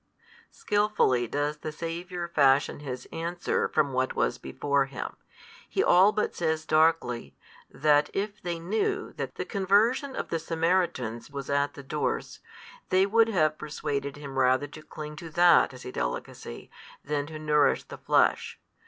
Skilfully does the Saviour fashion His answer from what was before Him. He all but says darkly, that if they knew that the conversion of the Samaritans was at the doors, they would have persuaded Him rather to cling to that as a delicacy than to nourish the flesh.